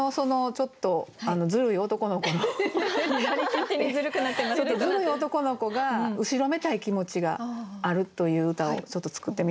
ちょっとずるい男の子が後ろめたい気持ちがあるという歌をちょっと作ってみました。